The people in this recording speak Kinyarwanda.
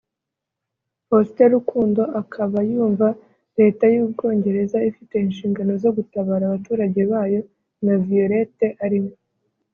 Faustin Rukundo akaba yumva Leta y’Ubwongereza ifite inshingano zo gutabara abaturage bayo na Violette arimo